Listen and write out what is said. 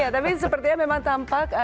tapi sepertinya memang tampak